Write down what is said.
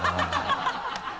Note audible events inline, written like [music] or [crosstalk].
ハハハ [laughs]